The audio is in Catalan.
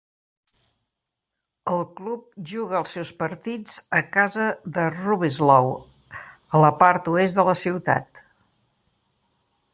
El club juga els seus partits a casa a Rubislaw, a la part oest de la ciutat.